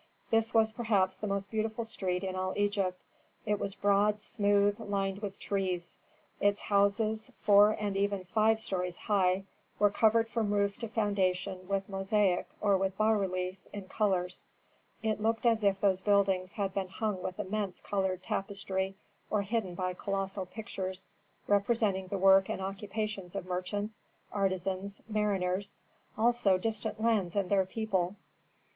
This was perhaps the most beautiful street in all Egypt. It was broad, smooth, lined with trees. Its houses, four and even five stories high, were covered from roof to foundation with mosaic or with bas reliefs in colors. It looked as if those buildings had been hung with immense colored tapestry or hidden by colossal pictures representing the work and occupations of merchants, artisans, mariners, also distant lands and their people.